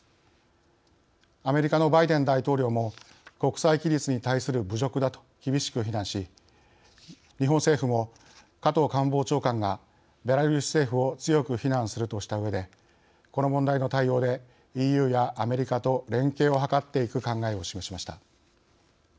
アメリカのバイデン大統領も国際規律に対する侮辱だと厳しく非難し日本政府も、加藤官房長官がベラルーシ政府を強く非難するとしたうえでこの問題の対応でＥＵやアメリカと連携を図っていく考えを示しました。